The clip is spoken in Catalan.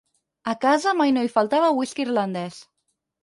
A casa mai no hi faltava whisky irlandès.